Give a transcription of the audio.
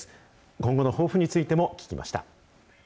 今後の抱負についても聞きました。